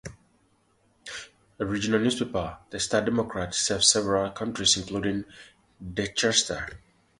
A regional newspaper, "The Star Democrat," serves several counties including Dorchester.